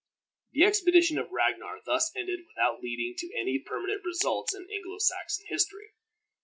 The expedition of Ragnar thus ended without leading to any permanent results in Anglo Saxon history.